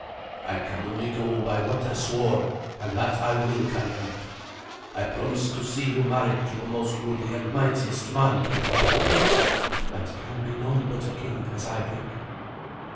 "I can only go by what I swore, and that I will carry out. I promised to see you married to the most goodly and mightiest man in the land." "That can be none but a king, as I think."